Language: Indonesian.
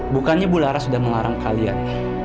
bukannya bu lara sudah mengarang kalian